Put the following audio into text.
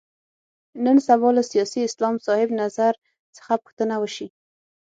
نن سبا له سیاسي اسلام صاحب نظر څخه پوښتنه وشي.